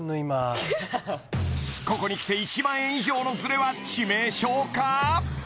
ここにきて１万円以上のズレは致命傷か？